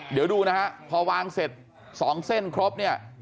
เดี๋ยวดูนะครับพอวางเสร็จ๒เส้นครบ